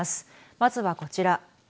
まずはこちら。